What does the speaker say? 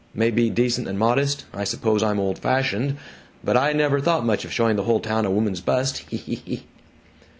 May be decent and modest I suppose I'm old fashioned but I never thought much of showing the whole town a woman's bust! Hee, hee, hee!